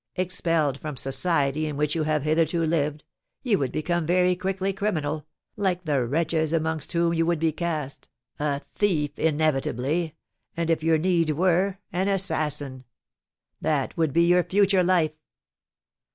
Expelled from society in which you have hitherto lived, you would become very quickly criminal, like the wretches amongst whom you would be cast, a thief inevitably, and, if your need were, an assassin. That would be your future life."